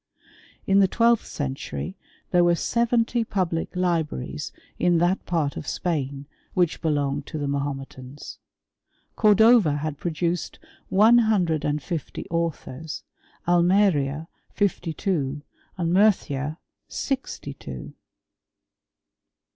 In the twelfth century there were seventy public libraries in that part of Spain which belonged to the Mahometans. Cordova had produced one hundred and fifty authors, Almeria fifty* two, and Murcia sixty two.